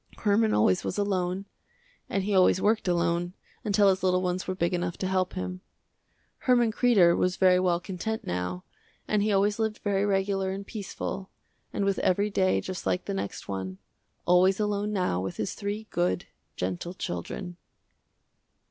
Herman always was alone, and he always worked alone, until his little ones were big enough to help him. Herman Kreder was very well content now and he always lived very regular and peaceful, and with every day just like the next one, always alone now with his three good, gentle children.